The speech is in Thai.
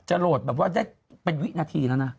โหลดแบบว่าได้เป็นวินาทีแล้วนะ